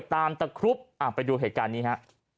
ตะครุบไปดูเหตุการณ์นี้ฮะ